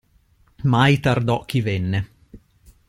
Mai tardò chi venne.